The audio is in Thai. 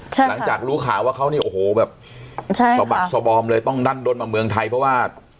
หลังจากรู้ข่าวว่าเขาเนี่ยโอ้โหแบบสะบักสบอมเลยต้องดั้นดนมาเมืองไทยเพราะว่า